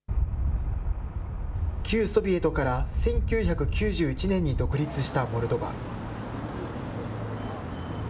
旧ソビエトから１９９１年に独立したモルドバ。